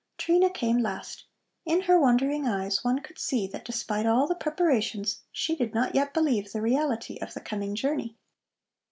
Trina came last. In her wondering eyes one could see that despite all the preparations she did not yet believe the reality of the coming journey.